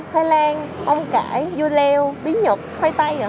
hoai lang bông cải dưa leo bí nhật khoai tây